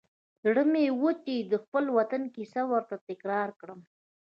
زړه مې و چې د خپل وطن کیسه ورته تکرار کړم.